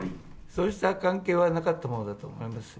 そうした関係はなかったものだと思います。